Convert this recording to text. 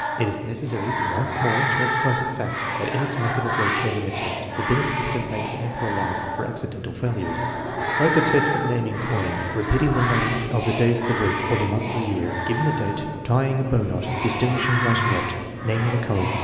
It is necessary once more to emphasize the fact that in its method of locating a test the Binet system makes ample allowance for " accidental " failures. >4 THE MEASUREMENT OF INTELLIGENCE Like the tests of naming coins, repeating the names of the days of the week or the months of the year, giving the date, tying a bow knot, distinguishing right and left, naming the colors, etc.